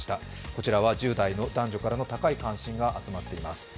こちらは１０代男女からの高い関心が集まっています。